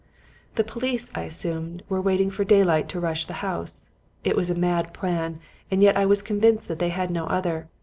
"The police, I assumed, were waiting for daylight to rush the house. It was a mad plan and yet I was convinced that they had no other.